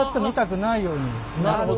なるほど。